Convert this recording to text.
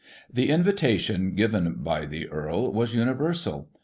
The invitation given by the Earl was universal.